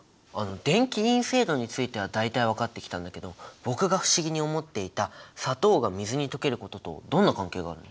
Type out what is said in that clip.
電気陰性度については大体分かってきたんだけど僕が不思議に思っていた砂糖が水に溶けることとどんな関係があるの？